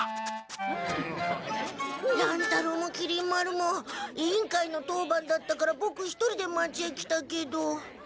乱太郎もきり丸も委員会の当番だったからボク一人で町へ来たけど。